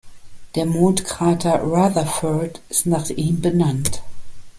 Der Mondkrater Rutherfurd ist nach ihm benannt.